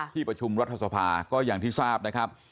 ที่ประชุมรัฐสภาก็อย่างที่ทราบนะครับ